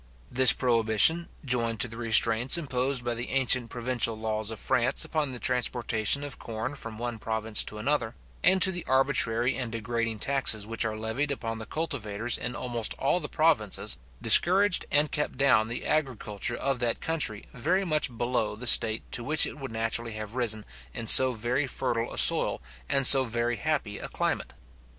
This prohibition, joined to the restraints imposed by the ancient provincial laws of France upon the transportation of corn from one province to another, and to the arbitrary and degrading taxes which are levied upon the cultivators in almost all the provinces, discouraged and kept down the agriculture of that country very much below the state to which it would naturally have risen in so very fertile a soil, and so very happy a climate.